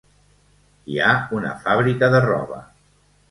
Hi ha una fàbrica de roba.